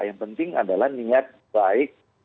yang penting adalah niat baik